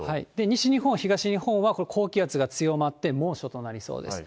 西日本、東日本は高気圧が強まって猛暑となりそうです。